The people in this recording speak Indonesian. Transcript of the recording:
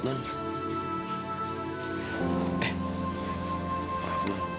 kau enggak kaget